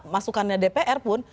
masukannya dpr pun